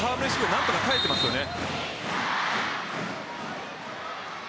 何とか返してますよね。